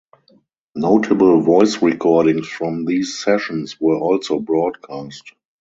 Notable voice recordings from these sessions were also broadcast.